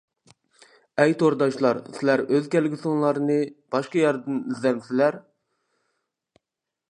ئەي تورداشلار سىلەر ئۆز كەلگۈسىڭلارنى باشقا يەردىن ئىزدەمسىلەر.